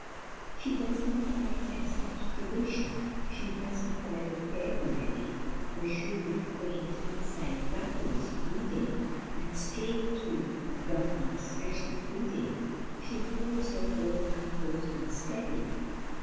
194 A NEW ENGLAND LADY. She does not quite accept tradition ; She has her private theory ready ; Her shrewd, quaint insight baffles leading ; And straight through dogma s special pleading She holds her own, composed and steady.